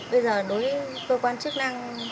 bây giờ đối với cơ quan chức năng